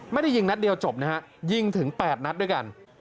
ไม่ได้ยิงนัดเดียวจบนะฮะยิงถึง๘นัดด้วยกัน